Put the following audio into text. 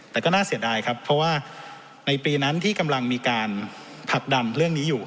แต่ก็น่าเสียดายครับเพราะว่าในปีนั้นที่กำลังมีการผลักดันเรื่องนี้อยู่